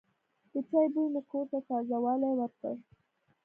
د چای بوی مې کور ته تازه والی ورکړ.